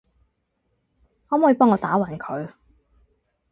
可唔可以幫我打暈佢？